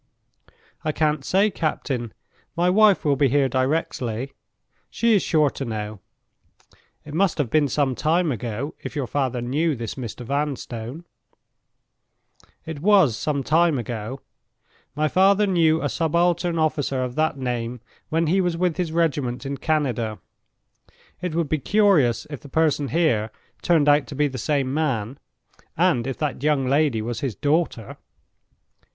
"I can't say, captain. My wife will be here directly; she is sure to know. It must have been some time ago, if your father knew this Mr. Vanstone?" "It was some time ago. My father knew a subaltern officer of that name when he was with his regiment in Canada. It would be curious if the person here turned out to be the same man, and if that young lady was his daughter."